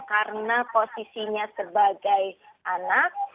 karena posisinya sebagai anak